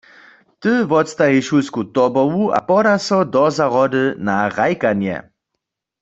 Ty wotstaji šulsku tobołu a poda so do zahrody na hrajkanje.